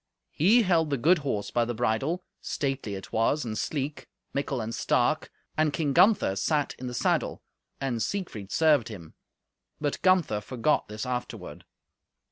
He held the good horse, by the bridle; stately it was and sleek, mickle and stark, and King Gunther sat in the saddle, and Siegfried served him; but Gunther forgot this afterward.